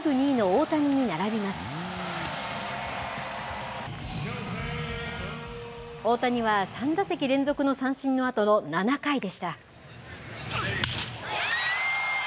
大谷は３打席連続の三振のあとの７回でした。